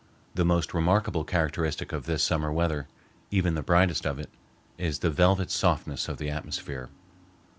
The most remarkable characteristic of this summer weather, even the brightest of it, is the velvet softness of the atmosphere.